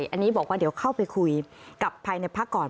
อันนี้บอกว่าเดี๋ยวเข้าไปคุยกับภายในพักก่อน